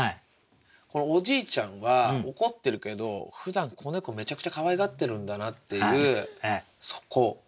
おじいちゃんは怒ってるけどふだん子猫めちゃくちゃかわいがってるんだなっていうそこ。